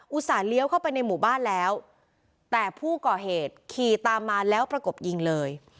ส่าหเลี้ยวเข้าไปในหมู่บ้านแล้วแต่ผู้ก่อเหตุขี่ตามมาแล้วประกบยิงเลย